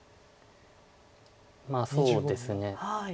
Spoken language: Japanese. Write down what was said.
まあそうですね。